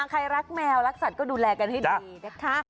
ใครรักแมวรักสัตว์ก็ดูแลกันให้ดีนะคะ